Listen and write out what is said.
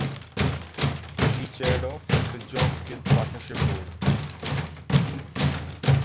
He chaired of the Jobs Skills Partnership Board.